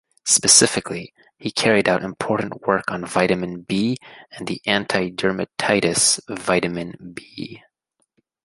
Specifically, he carried out important work on vitamin B and the antidermatitis vitamin B.